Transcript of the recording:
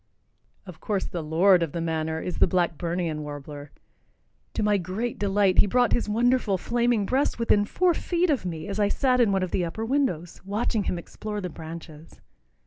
Of course the Lord of the Manor is the Blackburnian warbler. To my great delight, he brought his wonderful flaming breast within four feet of me as I sat in one of the upper windows, watching him explore the branches.